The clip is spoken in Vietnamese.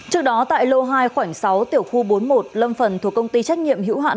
trước đó tại lô hai khoảnh sáu tiểu khu bốn mươi một lâm phần thuộc công ty trách nhiệm hữu hạn